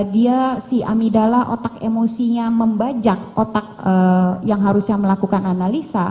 dia si amidala otak emosinya membajak otak yang harusnya melakukan analisa